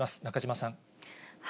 中島さん。